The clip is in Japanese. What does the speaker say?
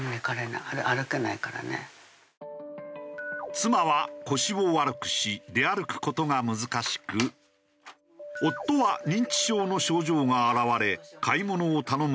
妻は腰を悪くし出歩く事が難しく夫は認知症の症状が現れ買い物を頼む事はできない。